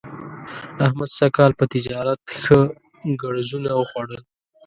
احمد سږ کال په تجارت ښه ګړزونه وخوړل.